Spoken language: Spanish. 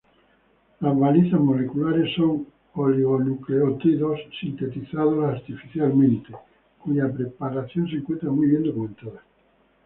Las balizas moleculares son oligonucleótidos sintetizados artificialmente, cuya preparación se encuentra muy bien documentada.